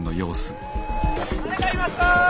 誰かいますか？